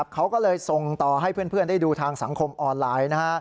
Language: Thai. เขาก็เลยส่งต่อให้เพื่อนได้ดูทางสังคมออนไลน์